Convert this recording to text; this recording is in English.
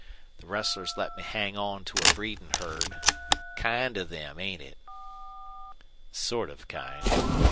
The rustlers let me hang on to a breedin' herd. Kind of them, ain't it?" "Sort of kind.